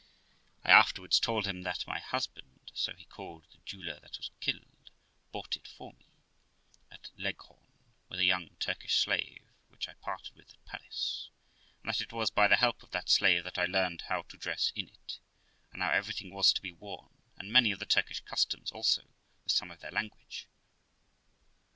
I afterwards told him that my husband (so he called the jeweller that was killed) bought it for me at Leghorn, with a young Turkish slave which I parted with at Paris; and that it was by the help of that slave that I learned how to dress in it, and how everything was to be worn, and many of the Turkish customs also, with some of their language.